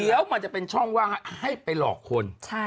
เดี๋ยวมันจะเป็นช่องว่างให้ไปหลอกคน